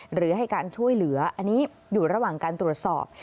หรือให้การช่วยเหลืออันนี้อยู่ระหว่างการตรวจสอบ